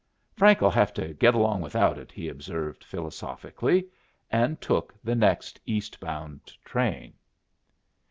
"Frank'll have to get along without it," he observed, philosophically, and took the next eastbound train.